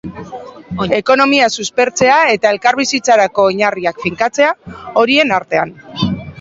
Ekonomia suspertzea eta elkarbizitzarako oinarriak finkatzea, horien artean.